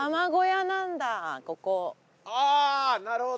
ああなるほど！